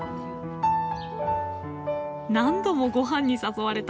何度もごはんに誘われた。